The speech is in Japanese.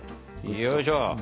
よいしょ。